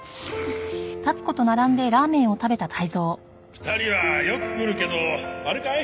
２人はよく来るけどあれかい？